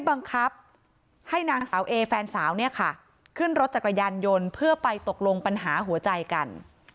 บังคับให้นางสาวเอแฟนสาวเนี่ยค่ะขึ้นรถจักรยานยนต์เพื่อไปตกลงปัญหาหัวใจกัน